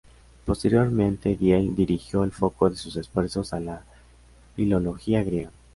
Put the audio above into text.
Posteriormente, Diehl dirigió el foco de sus esfuerzos a la filología griega.